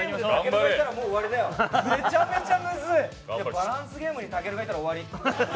バランスゲームにたけるがいたら終わり。